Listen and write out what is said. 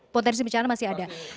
potensi bencana masih ada